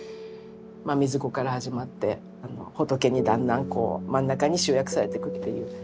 水子から始まって仏にだんだんこう真ん中に集約されてくっていう。